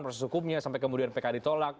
proses hukumnya sampai kemudian pk ditolak